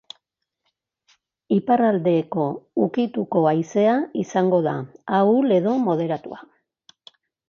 Iparraldeko ukituko haizea izango da, ahul edo moderatua.